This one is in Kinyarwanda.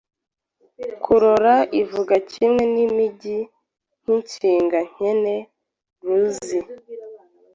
Kurora ivuga kimwe n’igimi k’inshinga nkene ruzi